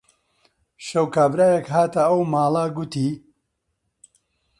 شەو کابرایەک هاتە ئەو ماڵە، گوتی: